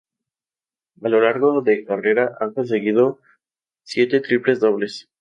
A lo largo de carrera ha conseguido siete triples-dobles.